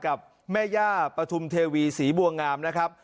กับแม่ย่าปฐุมเทวีศรีบัวงามนะครับ